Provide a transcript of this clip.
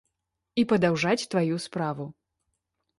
І падаўжаць тваю справу.